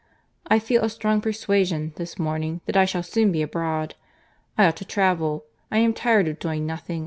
I feel a strong persuasion, this morning, that I shall soon be abroad. I ought to travel. I am tired of doing nothing.